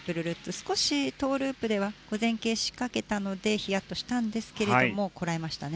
少しトウループでは前傾しかけたのでヒヤッとしたんですがこらえましたね。